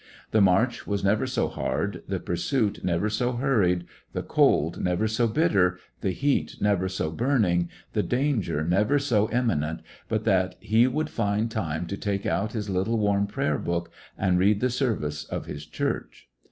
The march was never so hard, the pursuit never so hurried, the cold never so bitter, the heat never so burning, the danger never so immi nent, but that he would find time to take out his little worn Prayer book and read the ser vice of his Church.